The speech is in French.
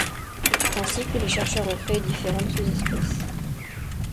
C'est ainsi que les chercheurs ont créé différentes sous-espèces.